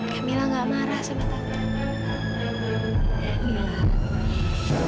kayak mila gak marah sama tante